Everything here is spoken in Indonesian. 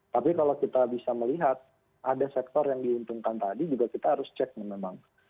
tapi kalau kita bisa melihat ada sektor yang diuntungkan tadi juga kita harus cek memang